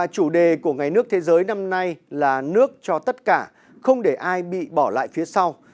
chủ đề của ngày nước thế giới năm nay là nước cho tất cả không để ai bị bỏ lại phía sau